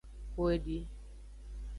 Xo edi.